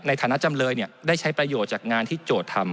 ในฐานะ๔๕๕มีการใช้ประโยชน์จากงานที่โจทย์ทำ